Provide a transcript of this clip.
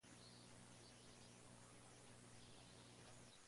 Su historia de amor comenzó con un rayo.